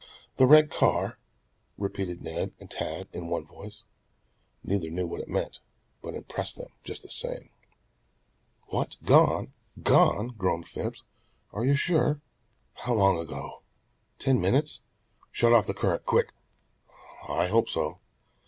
"The red car," repeated Ned and Tad in one voice. Neither knew what it meant, but impressed them just the same. "What, gone? gone?" groaned Phipps. "Are you sure? How long ago? Ten minutes? Shut off the current! Quick! I hope so."